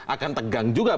akan tegang juga